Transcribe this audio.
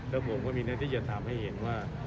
แล้วผมก็มีหน้าที่จะทำให้เห็นว่า